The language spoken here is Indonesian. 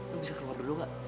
lo bisa keluar dulu gak